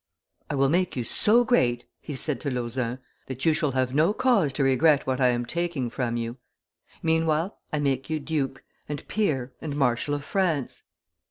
"I will make you so great," he said to Lauzun, "that you shall have no cause to regret what I am taking from you; meanwhile, I make you duke, and peer, and marshal of France."